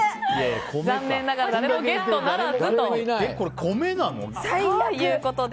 残念ながら誰もゲットならずということで。